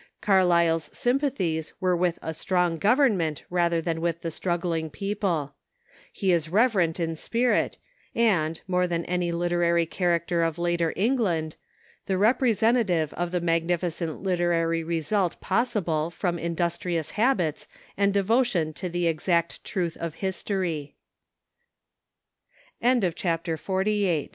Carlyle's sympathies were with a strong government rather than with the struggling people. He was reverent in spirit, and, more than any literary character of later England, the representative of the magnificent literary result possible from industrious habits and devotion